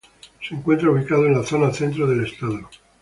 Se encuentra ubicado en la zona centro del estado.